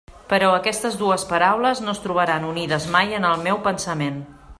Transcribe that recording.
Però aquestes dues paraules no es trobaran unides mai en el meu pensament.